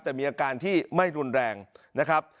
แต่มีอาการที่ไม่รุนแรงนะครับ